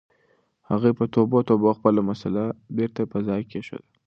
هغې په توبو توبو خپله مصلّی بېرته په ځای کېښوده.